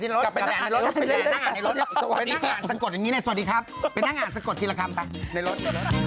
เดี๋ยวกลับไปอ่านทีละครับไปนั่งอ่านในรถไปนั่งอ่านสะกดอย่างนี้นะสวัสดีครับไปนั่งอ่านสะกดทีละครับไปในรถ